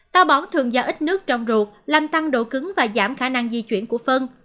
ta bón thường do ít nước trong ruột làm tăng độ cứng và giảm khả năng di chuyển của phân